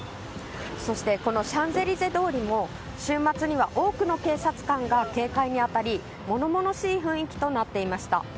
そして、シャンゼリゼ通りも週末には多くの警察官が警戒に当たり物々しい雰囲気となっていました。